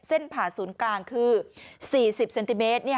ผ่าศูนย์กลางคือ๔๐เซนติเมตร